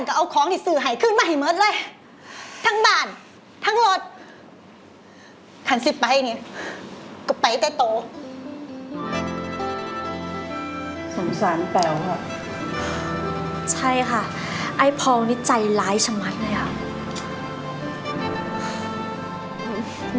ค่ะไอ้พอลนี้ใจร้ายชมันเลยอ่ะ